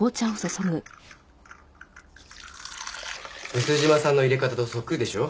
毒島さんの淹れ方とそっくりでしょう？